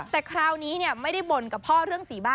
แต่คราวนี้ไม่ได้บ่นกับพ่อเรื่องสีบ้า